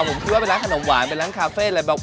ผมคิดว่าเป็นร้านขนมหวานเป็นร้านคาเฟ่อะไรแบบ